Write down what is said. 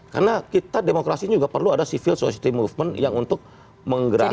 karena kita demokrasi juga perlu ada civil society movement yang untuk menggerakkan